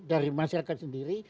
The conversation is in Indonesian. dari masyarakat sendiri